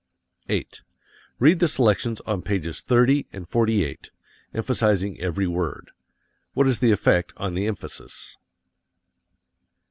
8. Read the selections on pages 30 and 48, emphasizing every word. What is the effect on the emphasis?